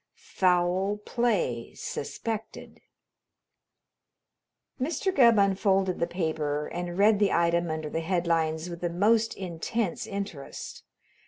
Foul Play Suspected Mr. Gubb unfolded the paper and read the item under the headlines with the most intense interest.